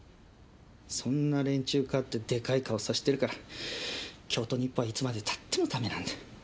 そんな連中飼ってでかい顔させてるから京都日報はいつまでたってもダメなんだ。